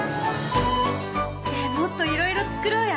ねえもっといろいろ作ろうよ。